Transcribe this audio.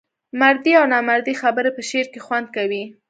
مردۍ او نامردۍ خبري په شعر کې خوند کوي.